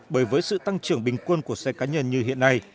bởi với sự tăng trưởng bình quân của xe cá nhân như hiện nay